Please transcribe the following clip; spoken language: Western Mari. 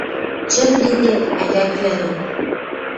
Чӹм лиде, ӓляквлӓ дон